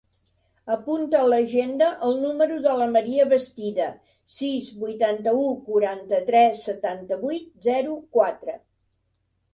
Apunta a l'agenda el número de la Maria Bastida: sis, vuitanta-u, quaranta-tres, setanta-vuit, zero, quatre.